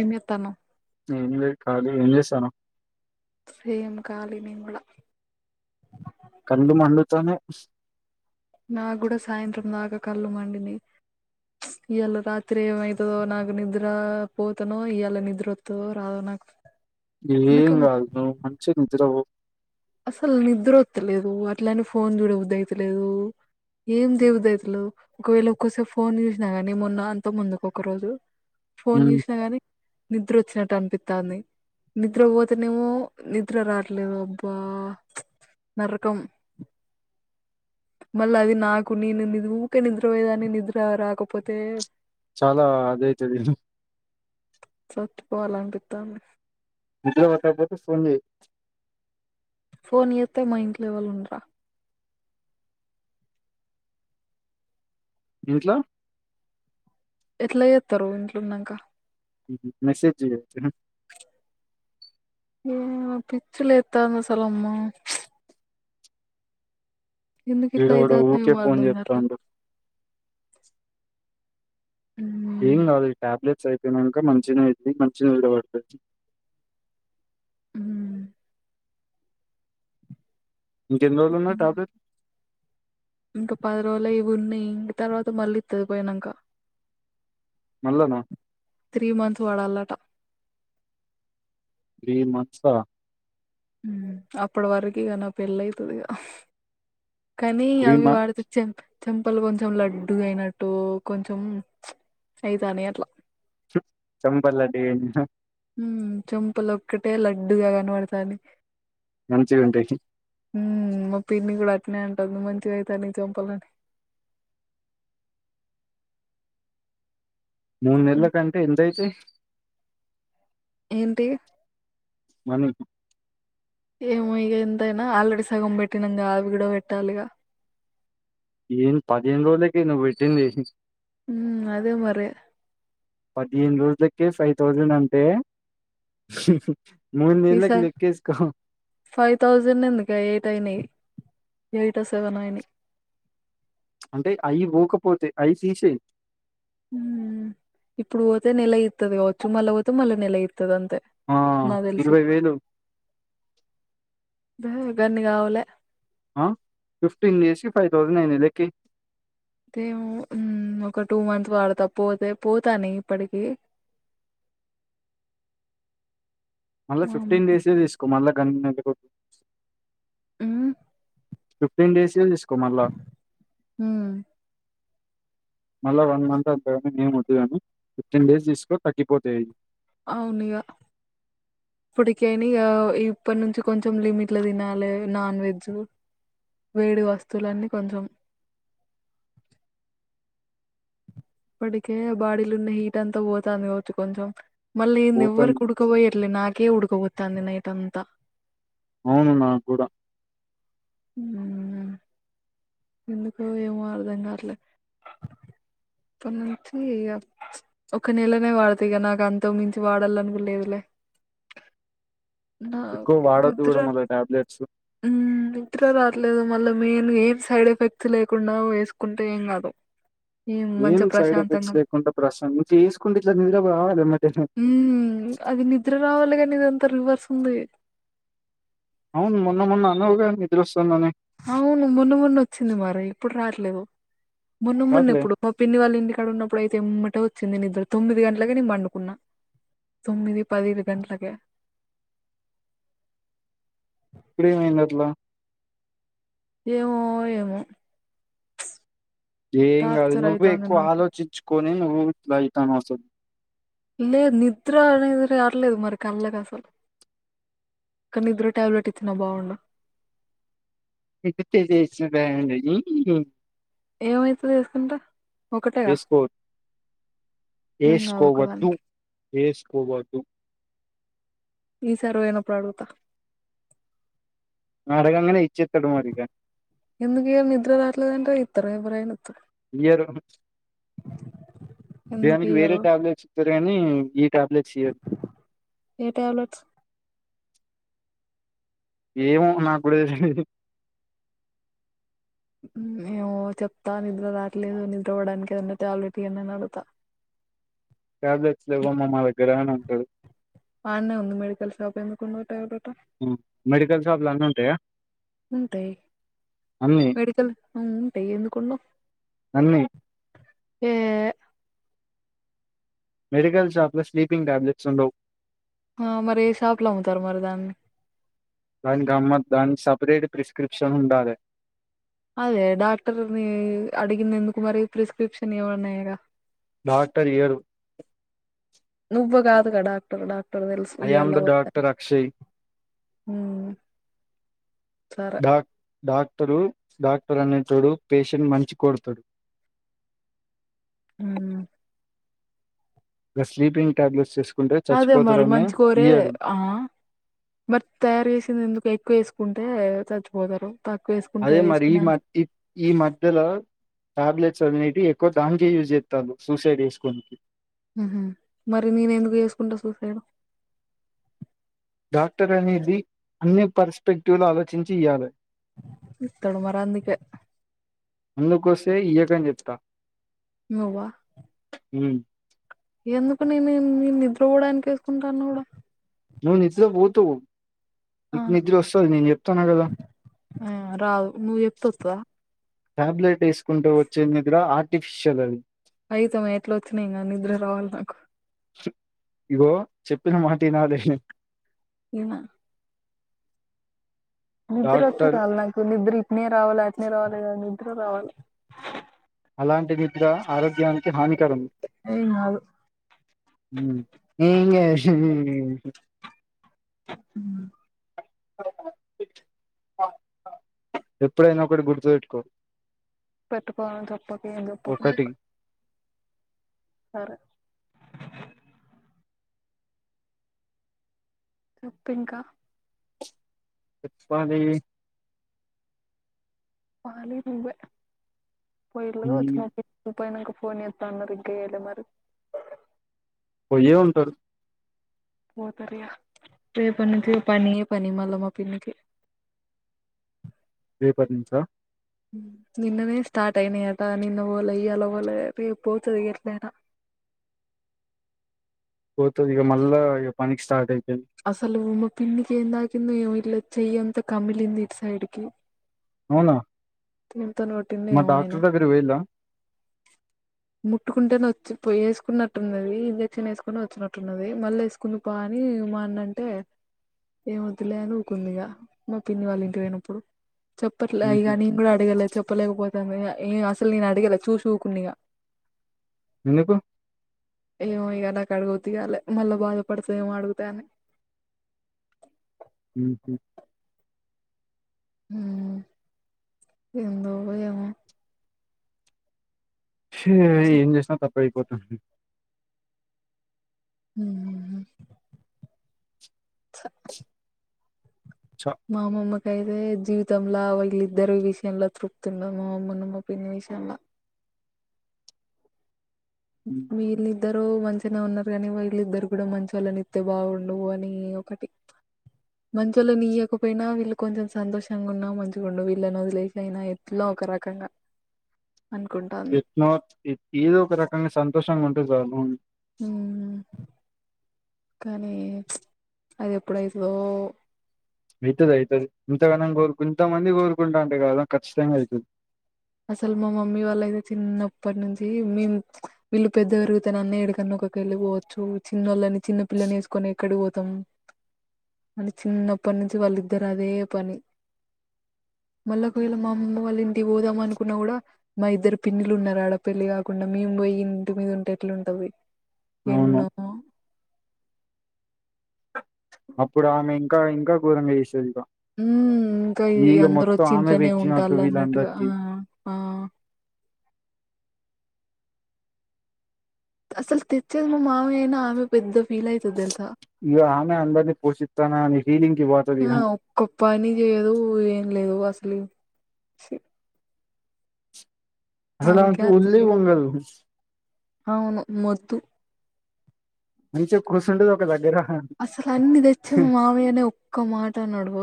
ఏం చెత్తాన్నావ్ ఏం లే ఖాళీ ఏం చేస్తాను సేమ్ ఖాళీ నేను కూడా కళ్ళు మండుతున్నాయ్ నాకు కూడా సాయంత్రం దాకా కళ్ళుమండినయ్ ఇయ్యాల రాత్రి ఏమైతదో నాకు నిద్ర పోతనో ఇయ్యాల నిద్ర వత్తదో రాదో నాకు ఏం నాకు కాదు నువ్వు మంచిగ నిద్రవో అసలు నిద్ర వస్తలేదు అట్లనే ఫోన్ చూడబుద్దైతలేదు ఏం దేవుదట్లు ఒకవేళ ఒక్కోసారి ఫోన్ చూసినా గానీ మొన్న అంత ముందుకు ఒక్కొక రోజు ఫోన్ ఉమ్ చూసినా గాని నిద్ర వచ్చినట్టు అనిపిస్తంది నిద్ర పోతేనేమో నిద్ర రావట్లేదు అబ్బా నరకం మళ్ళీ అది నాకు నేను ని ఊకే నిద్రపోయేదాని నిద్ర రాకపోతే చాలా అదైతది చచ్చిపోవాలనిపితంది నిద్ర పట్టకపోతే ఫోన్ చెయ్ ఫోన్ చేస్తే మా ఇంట్లో ఎవరు ఉండర ఇంట్లో ఎట్లా ఏతారు ఇంట్లో ఉన్నాక మెసేజ్ చెయ్యి అయితే ఏ పిచ్చి లేస్తుంది అసలు అమ్మో ఎందుకు ఇట్లా వీడోడు అవుతుందో ఊకే ఏమో ఫోన్ అర్థంకావట్లే చేత్తాండు అ ఏం కాదు టాబ్లెట్స్ అయిపోయినాక మంచిగానే ఐదీ మంచిగానే నిదపడుతుంది ఉ ఇంకా ఎన్ని రోజులు ఉన్నా టాబ్లెట్ ఇంకా పది రోజులు ఉన్నాయి తర్వాత మళ్ళీ ఇత్తది పోయినాంక మళ్ళనా త్రీ మంత్స్ వాడాలట త్రీ మంత్స్ అప్పటి వరకు ఇక నా పెళ్ళ అయితుంది ఇగా కానీ త్రీ అవి మంత్స్ వాడితే చెం చెంపలు కొంచెం లడ్డు అయినట్టు కొంచెం అయితానే అట్లా చ్ చెంపలు లడ్డు చంపలు ఒక్కటే లడ్డుగా కనపడతి గంచి గంటే ఉ మా పిన్ని కూడా అట్నే అంటుంది మంచిగా అవుతా చంపాలని మూడు నెలల హ్మ్ కంటే ఎంతయితే ఏంటి మన ఏమో ఇక ఎంతైనా ఆల్రెడీ సగం పెట్టినం ఆవి కూడా పెట్టాలిక ఏం పదిహేను రోజులకి నువ్వు పెట్టింది అదే మరి పదిహేను రోజులకే ఫైవ్ థౌజండ్ అంటే మునెలకి ఈసారి లేకఏసుకో ఫైవ్ థౌజండ్ ఎందిక ఎయిట్ అయినా ఎయిట్ సెవెన్ అయినా అంటే అయి పోకపోతే అయి తీసేయి ఇప్పుడు పోతే నెల ఇతుది కావచ్చు మళ్ళా పోతే మళ్ళీ నెల ఇస్తుది అంతే ఆ! నాకు తెలిసి గన్ని కావాలే ఆ ఫిఫ్టీన్ డేసి ఫైవ్ థౌసండ్ అయింది లేకేయ్ అేమ ఒక టూ మంత్ వాడతా పోతే పోతాను ఇప్పటికి మళ్ళీ ఫిఫ్టీన్ వామ్మో డసే తీసుకో మళ్ళ గ ఉమ్ ఫిఫ్టీన్ డేస్ ఏ చేసుకో మళ్ళ హ మళ్ళా వన్ మంత్ అంతగాని మేముద్దుగాని ఫిఫ్టీన్ డేస్ తీసుకోని తగ్గిపోతాయిది అవునగా పొడికాయినా ఇ ఇప్పటి నుంచి కొంచెం లిమిట్లు తినాలి నాన్ వెజ్ వేడి వస్తువులన్నీ కొంచెం ఇప్పటికే బాడీలు ఉన్న హీట్ అంతా పోతాంది కావచ్చు కొంచెం మళ్ళీ ఎవ్వరి పోతుంది. కుడ్ క బోయి ఇట్ల నాకే ఉుడుకబోతంది నైట్ అంత అవును నాకూడ ఉ ఎందుకు ఏమో అర్ధం కాట్లే అంతే ఇగ ఒక నెలనే వాడతా ఇగ నాకు అంతకుమించి వాడాలను కూడా లేదులే ఎక్కువ నాకు వాడొద్దు నిద్ర గూడా మళ్ళా టాబ్లెట్స్. అండి నిద్ర రాట్లేదు మళ్ళీ మెయిన్ ఏం సైడ్ ఎఫెక్ట్స్ లేకుండా వేసుకుంటే ఏం కాదు ఏం మంచిగా సైడ్ ప్రశాంతంగా ఎఫెక్ట్స్ లేకుండా ప్రసం ను చేసుకుంటే ఇట్లా నిద్ర రావాలి [unintelligible] హ్మ్ అది నిద్ర రావాలి కానీ ఇదంతా రివర్స్ ఉంది అవును మొన్న మొన్న అన్నావుగా నిద్ర వస్తుంది అని అవును మొన్న మొన్న వచ్చింది మరి ఇప్పుడు రాట్లేదు మొన్న మొన్న రాట్లే ఎప్పుడు మా పిన్ని వాళ్ళ ఇంటికాడ ఉన్నప్పుడుయితే ఎమ్మటే వచ్చింది నిద్ర తొమ్మిది గంటలకే నేను పండుకున్నా తొమ్మిది పది గంట్లకే ఇప్పుడేమైంది అట్లా ఏమో ఏమో ఏం కాదు టార్చర్ నువ్వే అయితాంది ఎక్కువ నాకు ఆలోచించుకొని నువ్వు ఇట్లా అయితన్నావు అసలు లేదు నిద్ర అనేది రాట్లేదు మరి కళ్ళకి అసలు కానీ నిద్ర టాబ్లెట్ ఇచ్చిన బాగుండు మెడిటేషన్ రాయండి ఊ ఏమైతదో ఏసుకుంట ఒకటేగా వేసుకో ఏం కాదు వేసుకోవద్దు ఒకదానికి వేసుకోవద్దు ఈసారి పోయినప్పుడు అడుగుతా అడగలనే ఇచ్చేత్తడు మరి ఇగ ఎందుకు ఇయ్య నిద్ర రాట్లేదంటే ఇత్తరు ఎవరైనా ఇయ్యరు ఎందుకు దేనికి వేరే ఇయ్యరు టాబ్లెట్స్ ఇస్తరు కానీ ఈ టాబ్లెట్స్ ఇయ్యరు ఏ ట్యాబ్లెట్స్ ఏమో నాకూడా తెలీదు ఏమో చెప్తా నిద్ర రాట్లేదు నిద్ర పోవ్వడానికి ఏదన్న టాబ్లెట్ ఇయ్యండి అని అడగుతా [unintelligible] ట్యాబ్లెట్స్ లేవమ్మా మా దగ్గర అని అంటాడు ఆన్నే ఉంది మెడికల్ షాప్ ఎందుకు ఉండవు టాబ్లెట్ ఉ మెడికల్ షాప్ లో అన్నీ ఉంటాయా ఉంటాయి అన్ని మెడికల్ ఉంటాయి ఎందుకుండవు అన్నీ ఏ మెడికల్ షాప్ లో స్లీపింగ్ టాబ్లెట్స్ ఉండవు మరి ఏ షాప్ లో అమ్ముతారు మరి దాన్ని దానికి అమ్మద్ దానికి సపరేట్ ప్రిస్క్రిప్షన్ ఉండాలే అదే డాక్టర్ ని అడిగింది ఎందుకు మరి ప్రిస్క్రిప్షన్ ఎవ్వన్నాయగా డాక్టర్ ఇయ్యడు నువ్వు కాదుగా డాక్టర్ డాక్టర్ తెల్సు ఐ ఆమ్ ఇయ్యల ద వద్దని డాక్టర్ అక్షయ్ ఊ డా డాక్టరు డాక్టర్ అనేటోడు పేషెంట్ మంచి కొడుతడు ఊ గా స్లీపింగ్ టాబ్లెట్స్ ఏస్ అదే మరి మంచి కోరే మరి తయారు చేసింది ఎందుకు ఎక్కువ వేసుకుంటే చచ్చిపోతారు తక్కువ [unintelligible] అదే మరి ఈ వేసుకునే అంత [unintelligible] ఈ మధ్యలో టాబ్లెట్స్ అనేవి ఎక్కువ [unintelligible] యూజ్ చేస్తారు సూసైడ్ చేసుకోనికి హు మరి నేను ఎందుకు చేసుకుంటా సూసైడ్ డాక్టర్ అనేది అన్ని పర్స్పెక్టివ్ లో ఆలోచించి ఇయ్యాలే ఇతడు మరి అందుకే [unintelligible] వస్తే ఇయకని చెప్తా నువ్వ హు ఎందుకు నేను మీ నిద్ర పోడానికి వేసుకుంటాను కూడా నువ్వు నిద్ర పోతావ్ ఆ ఇక నిద్ర వస్తది నేను చెప్తాన కదా ఆ రాదు నువ్వు చెప్తే వత్తదా టాబ్లెట్ వేసుకుంటే వచ్చే నిద్ర ఆర్టిఫిషియల్ అది [unintelligible] ఎట్లా వచ్చినాయి కానీ నిద్ర రావాలి నాకు ఇగో చెప్పిన మాట ఇనలే ఇన నిద్ర వస్తే డాక్టర్ కావాలి నాకు నిద్ర ఇప్పునే రావాలి అతనే రావాలి కదా నిద్ద్ర రావాల అలాంటి నిద్ర ఆరోగ్యానికి హానికరం ఏం కాదు ఏ హు ఎప్పుడైన ఒకటి గుర్తు పెట్టుకో పెట్టుకోను చెప్పకు ఏం చెప్పక ఒకటి నాకు సరే చొప్పు ఇంక చెప్పాలీ [unintelligible] నువ్ ఉమ్, పోయినంక ఫోన్ ఏస్త అన్నరు ఇంక ఎయ్యలే మరి పొయ్యే ఉంటరు పోతరు ఇగ రేపటి నుంచి ఇగ పనే పని మళ్ళ మా పిన్నికి రేపటి నుంచ ఉ నిన్ననే స్టార్ట్ అయినయట నిన్న బోలె ఇయ్యాల బోలే రేప్ పోతది ఇగ ఎట్లయిన పోతది ఇగ మళ్ళా ఇగ పనికి స్టాట్ అయితది అసలూ మా పిన్నికి ఏం తాకిందో ఏమో ఇట్ల చెయ్యంత కమిలింది ఇటు సైడు కి అవునా ఇంత నో మా డాక్టర్ దగ్గరికి పొయ్యిల ముట్టుకుంటే నొచ్ చు ఏసుకున్నట్టున్నదీ ఇంజెక్షన్ ఏసుకొని ఒచ్చినట్టున్నది మళ్ళ ఏస్ [unintelligible] అనీ మా అన్నంటే ఏమొద్దులే అని ఊకున్న ఇగ మా పిన్ని వాళ్ళ ఇంటికి బొయినప్పుడు చెప్పట్లే ఇగ నీక్ గుడా అడిగలే చెప్పలేకపోతాముగ అని ఇగ అసలు నిను అడిగలే చూసి ఊకున్న ఇగ ఎందుకు ఏమో ఇగ నాకు అడుగు [unintelligible] మళ్ళ బాధపడతవేమో అడుగుతే అని ఊహు ఊహూ ఏందో ఏమో చి ఇగ ఏం చేసినా తప్పు అయిపోతుంది ఊహ్ ఛ చ మా అమ్మమ్మకు ఐతే జీవితంల వీళ్ళద్దరు విషయంల తృప్తి ఉండదు మా అమ్మమ్మ మా పిన్ని విషయంల వీళ్లిద్దరూ ఇద్దరూ మంచిగనే ఉన్నరు గనీ వీళ్ళద్దరికి గుడా మంచోళ్ళని ఇత్తె బావుండూ అని ఒకటి [inaudible] మంచోళ్ళని ఇయ్యక పోయినా వీళ్ళు కొంచెం సంతోషంగా ఉన్నా మంచిగుండు వీళ్ళని ఒదిలేసి అయినా ఎట్లా ఒక రకంగా అనుకుంటాంది నాట్ ఏ ఏదో ఒక రకంగా సంతోషంగా ఉంటే జాలు హూ కనీ ప్చ్ అది ఎప్పుడైతదో అయితది అయితది ఇంతగనం గోరుకుంట ఇంత మంది కోరుకుంటరూ కదా ఖచ్చితంగా అయితది అసలు మా మమ్మీ వాళ్ళయితే చిన్నప్పటి నుంచి మేం ప్చ్ వీళ్ళు పెద్ద పెరిగుతేనన్న ఏడికన్న ఒక కెల్లి బోవచ్చు చిన్నోళ్ళని చిన్న పిల్లని ఏసుకొని ఎక్కడి బోతం అని చిన్నప్పటి నుంచి వాళ్ళిద్దరు అదే పని మళ్ల ఒక వేల మా అమ్మమ్మ వాళ్ళ ఇంటికి బోదాం అనుకున్న గుడా మా ఇద్దరు పిన్నిలున్నరు ఆడ పెళ్లి గాకుండా మేము బొయ్యి ఇంటి మీద ఉంటే ఎట్లుంటది అవును ఎన్నో అప్పుడు ఆమె ఇంకా ఇంకా ఘోరంగ జేసేదిగ ఊమ్ ఇంక ఈ అందరు ఒచ్చి ఆమె ఇంట్లోనే పెట్టినట్టు ఉంటాలన్నట్టుగా ఆ వీళ్ళందరికీ ఆ అసలు తెచ్చేది మా మామయ్య అయినా ఆమె పెద్ద ఫీల్ అయితది దెలుసా ఇగ ఆమె అందరిని పోషిస్తాన్నా అని ఫీలింగ్ కి పోతది ఇగ ఒ పని జేయదూ ఏం లేదు అసలు ఛీ ఆమెకే అసలామెకు అంత ఉల్లీ ఫీల్ ఉండదు ఉహు అవును మొద్దు మంచిగా కుసుంటది ఒక దగ్గర అసలు అన్ని దెచ్చిన మామయ్యనే ఒక్క మాట అనడు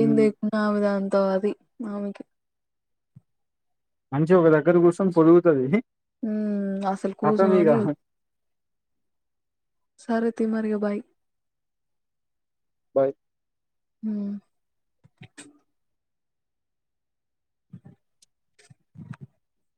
ఏం దె నా మీదా అంతా అది మామయ్యకి మంచిగా ఒక దగ్గర కూర్సొనీ పొరుగుతుంది ఉమ్ అసలు కుసోనిదూ సారేతి మరిగా బాయ్ బాయ్ ఉమ్ హా ఉంచ హ